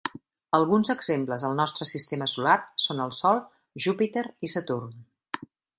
Alguns exemples al nostre sistema solar són el Sol, Júpiter i Saturn.